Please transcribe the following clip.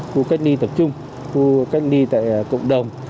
khu cách đi tập trung khu cách đi tại cộng đồng